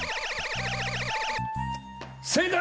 正解！